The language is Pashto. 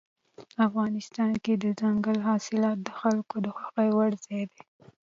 افغانستان کې دځنګل حاصلات د خلکو د خوښې وړ ځای دی.